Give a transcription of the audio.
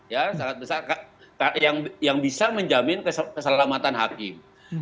ya sangat besar yang bisa menjamin keselamatan hakim